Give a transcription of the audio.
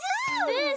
うん！